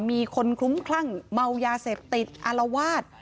มีคนคลุ้มคลั่งเมายาเสพติดอารวาส